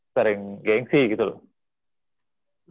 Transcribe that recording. sering gengsi gitu loh